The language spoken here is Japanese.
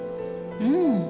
うん。